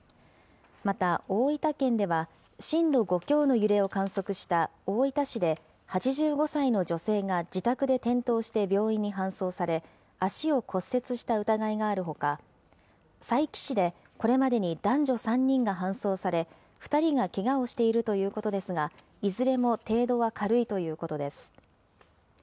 また、大分県では震度５強の揺れを観測した大分市で８５歳の女性が自宅で転倒して病院に搬送され、足を骨折した疑いがあるほか、佐伯市で、これまでに男女３人が搬送され、２人がけがをしているということですが、いずれも程度は軽いということです。